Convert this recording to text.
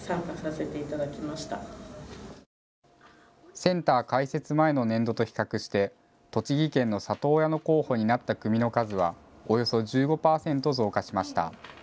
センター開設前の年度と比較して栃木県の里親の候補になった組の数はおよそ１５％増加しました。